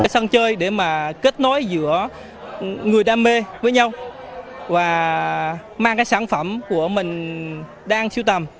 sân chơi để mà kết nối giữa người đam mê với nhau và mang cái sản phẩm của mình đang siêu tầm